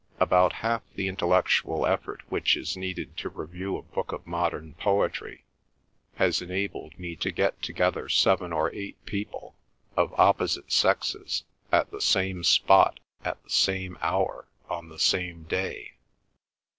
About half the intellectual effort which is needed to review a book of modern poetry has enabled me to get together seven or eight people, of opposite sexes, at the same spot at the same hour on the same day.